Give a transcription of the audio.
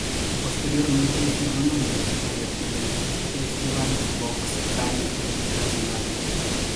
Posteriormente su hermano menor se convirtió en el Príncipe Esteban Bocskai de Transilvania.